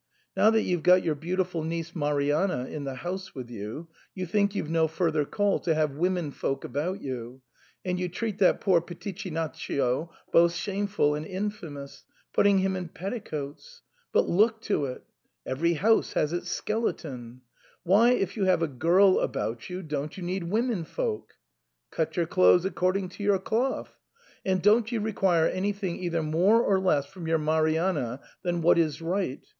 Now that you've got your beautiful niece Marianna in the house with you, you think youVe no further call to have women folk about you, and you treat that poor Pitichinaccio most shameful and infamous, putting him in petticoats. But look to it. Ogni carne ha il suo osso (Every house has its skeleton). Why if you have a girl about you, don't you need women folk ? Fate il passo secondo la gamba (Cut your clothes according to your cloth), and don't you require anything either more or less from your Marianna than what is right.